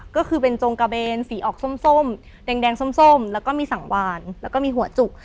ก็คือเป็นจงกระเบนสีออกส้มแดงส้มแล้วก็มีสังวานแล้วก็มีหัวจุก